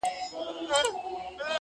وجود پرېږدمه، روح و گلنگار ته ور وړم,